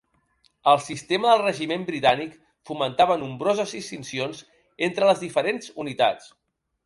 El sistema del regiment britànic fomentava nombroses distincions entre les diferents unitats.